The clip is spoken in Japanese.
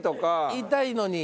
言いたいのに。